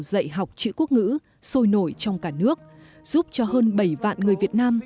dạy học chữ quốc ngữ sôi nổi trong cả nước giúp cho hơn bảy vạn người việt nam